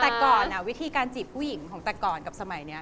แต่ก่อนวิธีการจีบผู้หญิงของแต่ก่อนกับสมัยนี้